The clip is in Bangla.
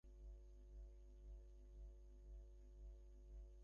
আমি খুব স্পষ্ট করেই বুঝেছি আমার স্বামীর সঙ্গে তাঁর তুলনাই হয় না।